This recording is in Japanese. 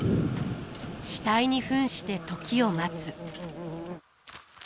死体に扮して時を待つ。